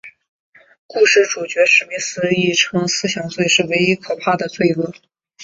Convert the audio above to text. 故事主角史密斯亦称思想罪是唯一可怕的罪恶。